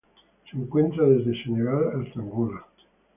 Se encuentra desde Senegal hasta Angola.